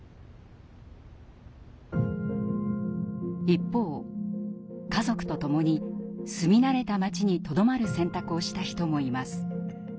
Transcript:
一方家族とともに住み慣れた街にとどまる選択をした人もいます。